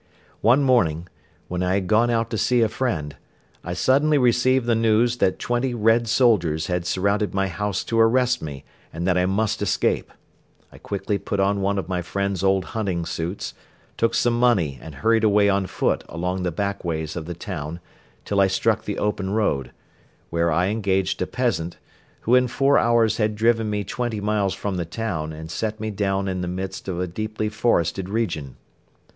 One morning, when I had gone out to see a friend, I suddenly received the news that twenty Red soldiers had surrounded my house to arrest me and that I must escape. I quickly put on one of my friend's old hunting suits, took some money and hurried away on foot along the back ways of the town till I struck the open road, where I engaged a peasant, who in four hours had driven me twenty miles from the town and set me down in the midst of a deeply forested region.